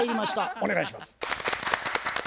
お願いします。